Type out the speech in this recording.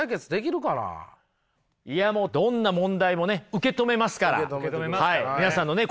いやもうどんな問題もね受け止めますから。